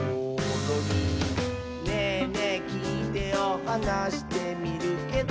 「『ねぇねぇきいてよ』はなしてみるけど」